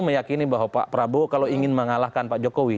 meyakini bahwa pak prabowo kalau ingin mengalahkan pak jokowi